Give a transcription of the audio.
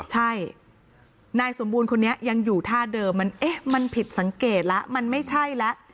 ใช่นายสมบูรณ์คนนี้ยังอยู่ท่าเดิมมันเอ๊ะมันผิดสังเกตแล้วมันไม่ใช่แล้ว